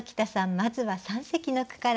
まずは三席の句から。